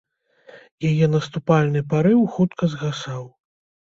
Яе наступальны парыў хутка згасаў.